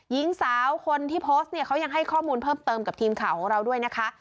หญิงสาวคนที่โพสต์เนี่ยเขายังให้ข้อมูลเพิ่มเติมกับทีมข่าวของเราด้วยนะคะ